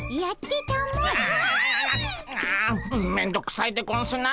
あめんどくさいでゴンスな。